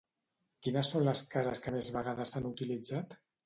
Quines són les cares que més vegades s'han utilitzat?